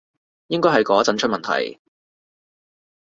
應該係嗰陣出問題